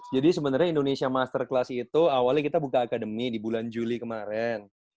jadi sebenarnya indonesia master class itu awalnya kita buka akademi di bulan juli kemarin